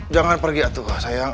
jangan pergi atuh sayang